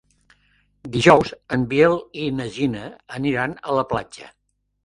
Dijous en Biel i na Gina aniran a la platja.